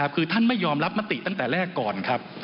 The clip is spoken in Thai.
คือท่านไม่ยอมรับมติตั้งแต่แรกก่อนครับ